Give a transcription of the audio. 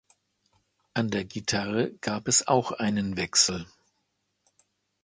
An der Gitarre gab es auch einen Wechsel.